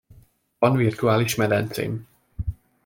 Van virtuális medencém.